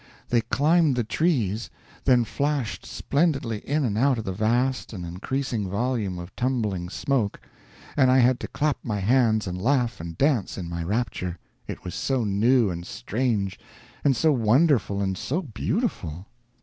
They climbed the trees, then flashed splendidly in and out of the vast and increasing volume of tumbling smoke, and I had to clap my hands and laugh and dance in my rapture, it was so new and strange and so wonderful and so beautiful!